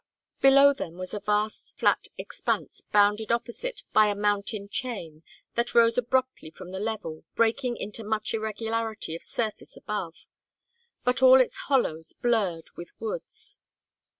Below them was a vast flat expanse bounded opposite by a mountain chain, that rose abruptly from the level, breaking into much irregularity of surface above, but all its hollows blurred with woods.